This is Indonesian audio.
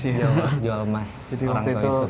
jadi waktu itu jadi waktu itu